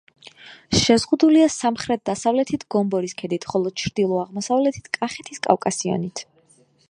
შემოზღუდულია სამხრეთ-დასავლეთით გომბორის ქედით, ხოლო ჩრდილო-აღმოსავლეთით კახეთის კავკასიონით.